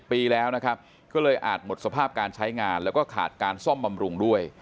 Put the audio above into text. ปีแล้วนะครับก็เลยอาจหมดสภาพการใช้งานแล้วก็ขาดการซ่อมบำรุงด้วย